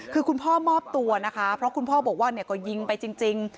คือคุณพ่อมอบตัวนะคะเพราะคุณพ่อบอกว่าเนี่ยก็ยิงไปจริง